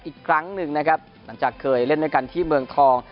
อีกครั้งหนึ่งนะครับหลังจากเคยเล่นด้วยกันที่เมืองทอง